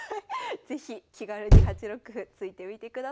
是非気軽に８六歩突いてみてください。